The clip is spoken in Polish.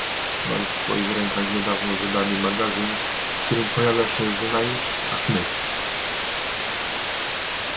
Mam w swoich rękach niedawno wydany magazyn, w którym pojawia się Zenaib Ahmed